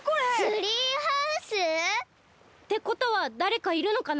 ツリーハウス！？ってことはだれかいるのかな？